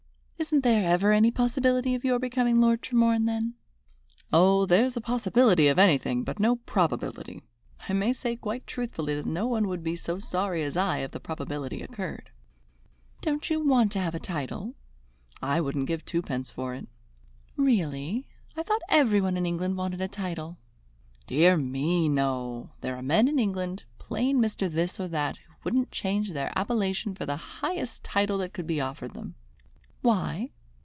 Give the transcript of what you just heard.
"Isn't there ever any possibility of your becoming Lord Tremorne, then?" "Oh, there's a possibility of anything, but no probability. I may say quite truthfully that no one would be so sorry as I if the probability occurred." "Don't you want to have a title?" "I wouldn't give twopence for it." "Really? I thought every one in England wanted a title?" "Dear me, no! There are men in England, plain Mr. This or That, who wouldn't change their appellation for the highest title that could be offered them." "Why?"